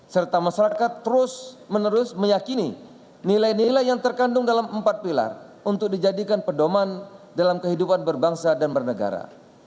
serta masyarakat terus menerus meyakini nilai nilai yang terkandung dalam empat pilar untuk dijadikan pedoman dalam kehidupan berbangsa dan bernegara